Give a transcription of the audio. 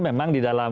memang di dalam